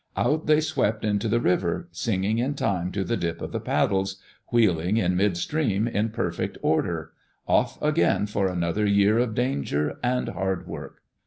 Out they swept into the river, singing in time to the dip of the paddles, wheeling in mid stream in perfect order — off again for another year of danger and hard work.